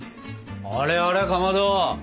あれあれかまど！